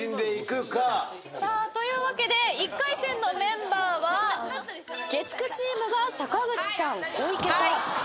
さあというわけで１回戦のメンバーは月９チームが坂口さん小池さん。